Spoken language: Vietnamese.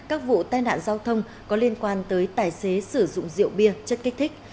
các vụ tai nạn giao thông có liên quan tới tài xế sử dụng rượu bia chất kích thích